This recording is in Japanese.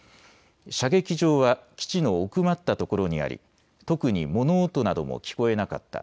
射撃場は基地の奥まったところにあり特に物音なども聞こえなかった。